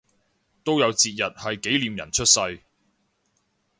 都有節日係紀念人出世